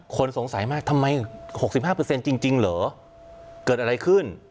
คนสงสัยมากทำไมหกสิบห้าเปอร์เซ็นต์จริงจริงเหรอเกิดอะไรขึ้น